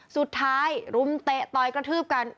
สุดท้ายรุมเตะต่อยกระทืบกัน